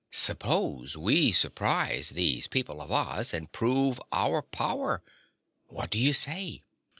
Suppose we surprise these people of Oz and prove our power. What do you say?